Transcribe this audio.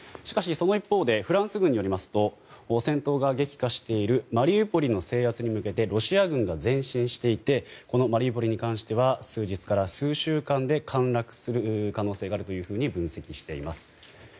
しかし、その一方でフランス軍によりますと戦闘が激化しているマリウポリの制圧に向けてロシア軍が前進していてマリウポリに関しては数日から数週間で陥落する可能性があるというふうに分析しています。